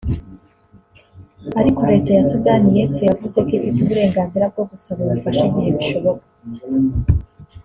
Ariko leta ya Sudan y’epfo yavuze ko ifite uburenganzira bwo gusaba ubufasha igihe bishoboka